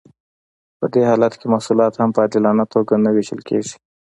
په دې حالت کې محصولات هم په عادلانه توګه نه ویشل کیږي.